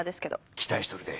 期待しとるで。